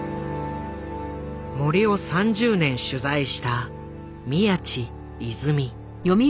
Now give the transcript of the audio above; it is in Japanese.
森を３０年取材した宮智泉。